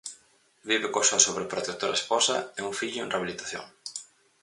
Vive coa súa sobreprotectora esposa e un fillo en rehabilitación.